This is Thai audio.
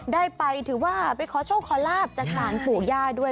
ได้ไปถือว่าขอเชิญขอราบสนุกจากสารปู่ยาด้วย